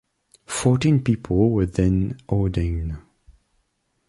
Fourteen people were then ordained.